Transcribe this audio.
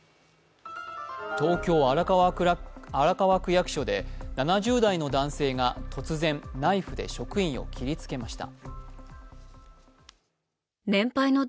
東京・荒川区役所で７０代の男性が突然、ナイフで職員を切りつけました。